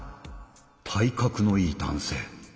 体格のいい男性。